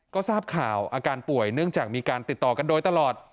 ก็ทราบข่าวอาการป่วยเนื่องจากมีการติดต่อกันโดยตลอด